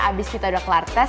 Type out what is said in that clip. abis kita udah kelar test